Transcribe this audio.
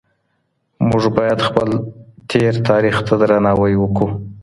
موږ باید خپل تېر تاریخ ته درناوی وکړو.